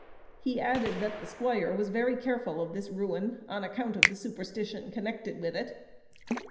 He added, that the squire was very careful of this ruin, on account of the superstition connected with it.